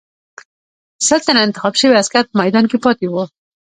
سل تنه انتخاب شوي عسکر په میدان کې پاتې وو.